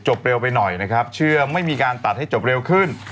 เร็วไปหน่อยนะครับเชื่อไม่มีการตัดให้จบเร็วขึ้น